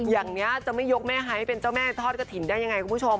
อย่างนี้จะไม่ยกแม่ไฮทเป็นเจ้าแม่ทอดกระถิ่นได้ยังไงคุณผู้ชม